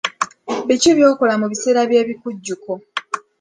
Biki by'okola mu biseera by'ebikujjuko?